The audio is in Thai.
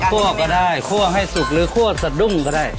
ก็ได้คั่วให้สุกหรือคั่วสะดุ้งก็ได้